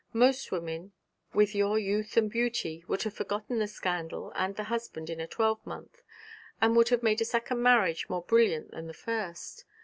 'Most women, with your youth and beauty, would have forgotten the scandal and the husband in a twelvemonth, and would have made a second marriage more brilliant than the first.